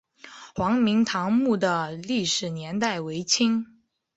黄明堂墓的历史年代为清。